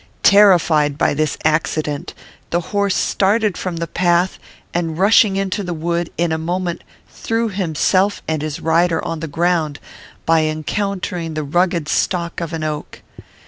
Terrified by this accident, the horse started from the path, and, rushing into the wood, in a moment threw himself and his rider on the ground, by encountering the rugged stock of an oak.